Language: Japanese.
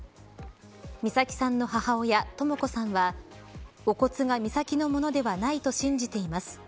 美咲さんの母親とも子さんはお骨が美咲のものではないと信じています。